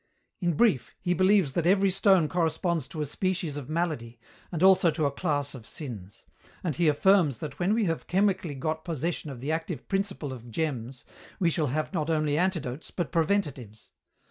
"In brief, he believes that every stone corresponds to a species of malady, and also to a class of sins; and he affirms that when we have chemically got possession of the active principle of gems we shall have not only antidotes but preventatives.